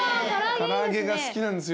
唐揚げが好きなんですよ。